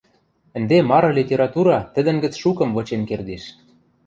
Ӹнде мары литература тӹдӹн гӹц шукым вычен кердеш.